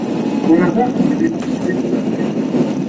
Tura faqen belli taqbaylit d tutlayt.